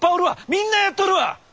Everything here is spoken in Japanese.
みんなやっとるわ！